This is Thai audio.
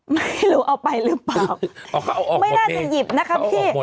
ไม่รู้เอาไปหรือเปล่าไม่น่าจะหยิบนะคะพี่